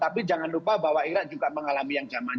tapi jangan lupa bahwa irak juga mengalami yang zaman